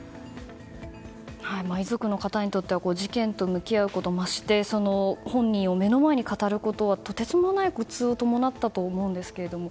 遺族の方にとっては事件と向き合うこと、ましてや本人を目の前に語ることはとてつもない苦痛を伴ったと思うんですけれども。